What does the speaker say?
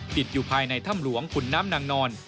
ติดอยู่ภายในถ้ำหลวงขุนน้ำนางนอน